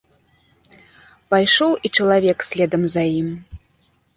Пайшоў і чалавек следам за ім.